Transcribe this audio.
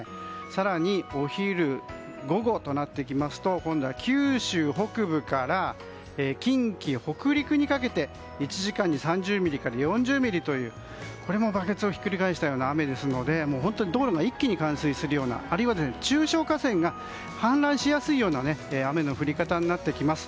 更にお昼、午後となってきますと今度は九州北部から近畿、北陸にかけて１時間に３０ミリから４０ミリというこれもバケツをひっくり返した雨ですので本当に道路が一気に冠水するようなあるいは中小河川が氾濫しやすいような雨の降り方になってきます。